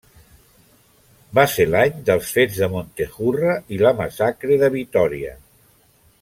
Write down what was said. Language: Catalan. Va ser l'any dels fets de Montejurra i la massacre de Vitòria.